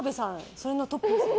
それのトップですよね。